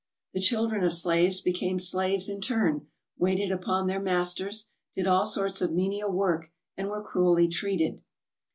The children of slaves became slaves in turn, waited upon their masters, did all sorts of menial work, and were cruelly treated.